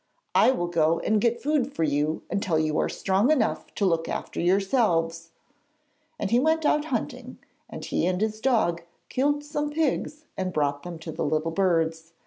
I will go and get food for you until you are strong enough to look after yourselves,' and he went out hunting, and he and his dog killed some pigs and brought them to the little birds.